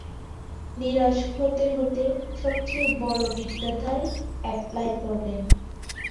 নিরাশ হতে হতে সবচেয়ে বড় বিদ্যাটাই অ্যাপ্লাই করলেন।